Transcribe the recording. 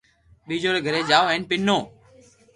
ڀيجو ري گھري جاتو ھين پينتو